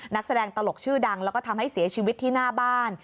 นักแสดงตลกชื่อดังแล้วก็ทำให้เสียชีวิตที่หน้าบ้าน